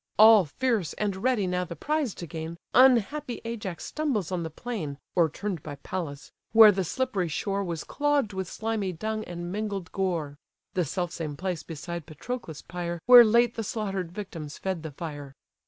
All fierce, and ready now the prize to gain, Unhappy Ajax stumbles on the plain (O'erturn'd by Pallas), where the slippery shore Was clogg'd with slimy dung and mingled gore. (The self same place beside Patroclus' pyre, Where late the slaughter'd victims fed the fire.)